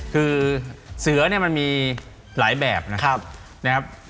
คือเสือเนี่ยมันมีหลายแบบนะครับ